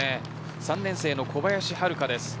３年生の小林遥香です。